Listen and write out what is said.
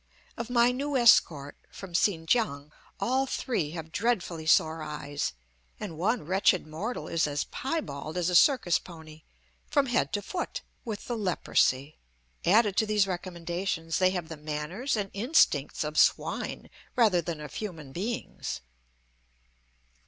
Of my new escort from Sin kiang all three have dreadfully sore eyes, and one wretched mortal is as piebald as a circus pony, from head to foot, with the leprosy. Added to these recommendations, they have the manners and instincts of swine rather than of human beings.